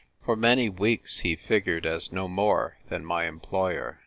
For many weeks he figured as no more than my em ployer.